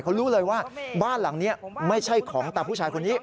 เขารู้เลยว่าบ้านหลังนี้ไม่ใช่ของตาผู้ชายคนนี้